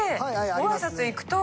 ご挨拶に行くと。